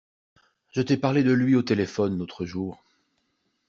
Je t’ai parlé de lui au téléphone l’autre jour.